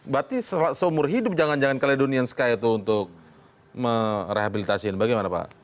berarti seumur hidup jangan jangan kelihatan dunia sekalian untuk merehabilitasi bagaimana pak